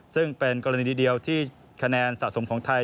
ซึ่งเป็นกรณีเดียวที่คะแนนสะสมของไทย